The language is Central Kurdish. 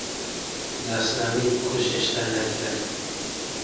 ناسنامەی بکوژ هێشتا نادیارە.